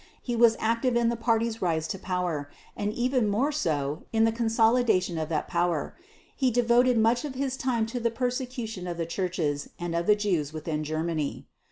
He was active in the Party's rise to power and even more so in the consolidation of that power. He devoted much of his time to the persecution of the churches and of the Jews within Germany.